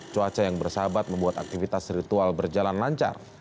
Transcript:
cuaca yang bersahabat membuat aktivitas ritual berjalan lancar